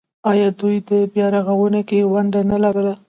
آیا دوی په بیارغونه کې ونډه نلره؟